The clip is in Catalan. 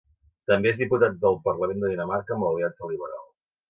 També és diputat del Parlament de Dinamarca amb l'Aliança Liberal.